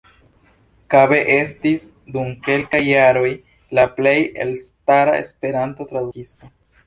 Kabe estis dum kelkaj jaroj la plej elstara Esperanto-tradukisto.